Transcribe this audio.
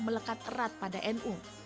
melekat erat pada nu